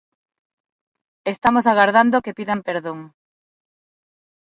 Estamos agardando que pidan perdón.